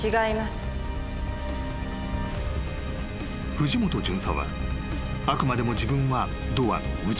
［藤本巡査はあくまでも自分はドアの内側］